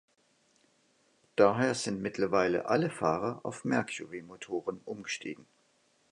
Daher sind mittlerweile alle Fahrer auf Mercury-Motoren umgestiegen.